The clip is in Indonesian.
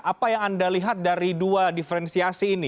apa yang anda lihat dari dua diferensiasi ini